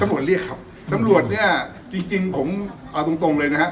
ตำรวจเรียกครับตำรวจเนี่ยจริงผมเอาตรงเลยนะครับ